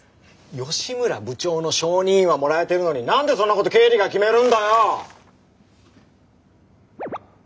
吉村部長の承認印はもらえてるのに何でそんなこと経理が決めるんだよ！